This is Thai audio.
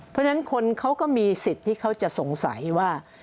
เพราะฉะนั้นคนเขาก็มีสิทธิ์ที่เขาจะสงสัยว่า